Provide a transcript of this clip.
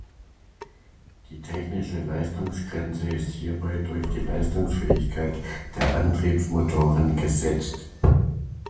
Die technische Leistungsgrenze ist hierbei durch die Leistungsfähigkeit der Antriebsmotoren gesetzt.